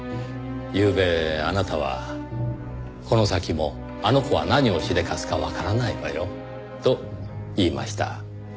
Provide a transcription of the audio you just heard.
ゆうべあなたは「この先もあの子は何をしでかすかわからないわよ」と言いました。